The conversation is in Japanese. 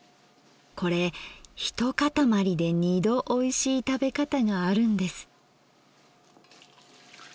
これ一塊で二度おいしい食べ方があるんです。